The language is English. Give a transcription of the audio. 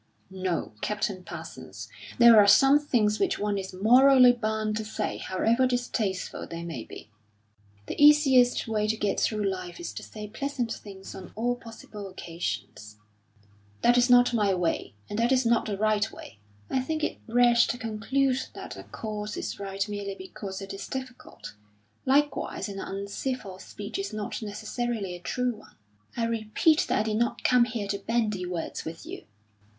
"No, Captain Parsons. There are some things which one is morally bound to say, however distasteful they may be." "The easiest way to get through life is to say pleasant things on all possible occasions." "That is not my way, and that is not the right way." "I think it rash to conclude that a course is right merely because it is difficult. Likewise an uncivil speech is not necessarily a true one." "I repeat that I did not come here to bandy words with you."